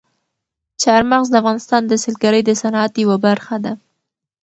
چار مغز د افغانستان د سیلګرۍ د صنعت یوه برخه ده.